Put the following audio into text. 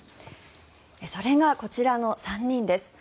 それが、こちらの３人です。